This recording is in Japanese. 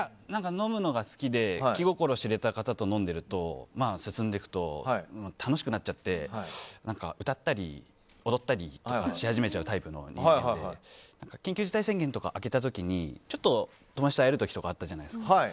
飲むのが好きで気心知れた方と飲んでると、進んでいくと楽しくなっちゃって歌ったり踊ったりとかしたりしちゃうタイプの人間なので緊急事態宣言とか明けた時にちょっと友達と会える時とか会ったじゃないですか。